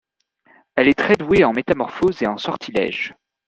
Elle est très douée en Métamorphose et en Sortilèges.